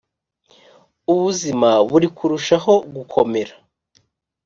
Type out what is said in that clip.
Ubuzima burikurushaho gukomera